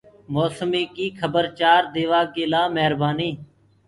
موسمي ڪي کبر چآر ديوآ ڪي لآ مهربآني۔